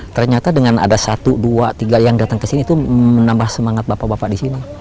ternyata dengan ada satu dua tiga yang datang ke sini itu menambah semangat bapak bapak di sini